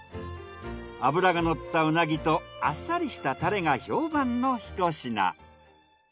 脂がのったうなぎとあっさりしたタレが評判のひと品。